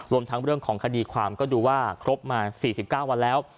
รวมทั้งเรื่องของคดีความก็ดูว่าครบมา๔๙วันแล้ว